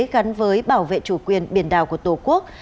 gắn với bảo vệ chủ quyền biển đảo của tổ quốc